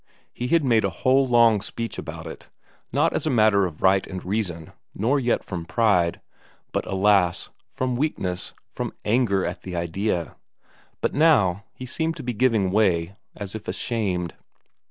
He had made a whole long speech about it; not as a matter of right and reason, nor yet from pride, but, alas! from weakness, from anger at the idea. But now, he seemed to be giving way, as if ashamed.